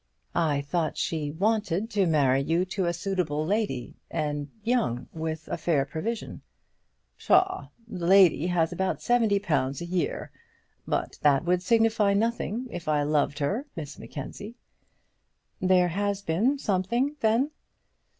"I thought she wanted to marry you to a suitable lady, and young, with a fair provision." "Pshaw! The lady has about seventy pounds a year! But that would signify nothing if I loved her, Miss Mackenzie." "There has been something, then?"